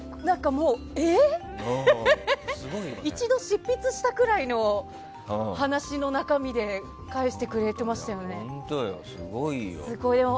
一度、執筆したぐらいの話の中身で返してくれていましたよね。